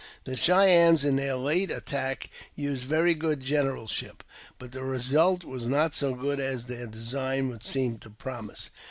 The Chey ennes, in their late attack, used very good general ship; but the result was not so good as their design woul(i_ seem to promise.